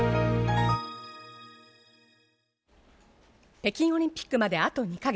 北京オリンピックまであと２ヶ月。